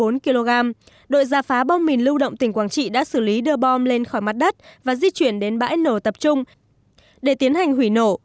ngày năm tháng bảy đội giả phá bom mìn lưu động tỉnh quảng trị đã xử lý đưa bom lên khỏi mặt đất và di chuyển đến bãi nổ tập trung để tiến hành hủy nổ